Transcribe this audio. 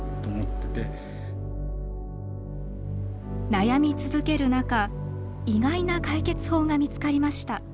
悩み続ける中意外な解決法が見つかりました。